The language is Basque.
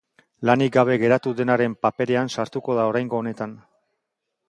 Lanik gabe geratu denaren paperean sartuko da oraingo honetan.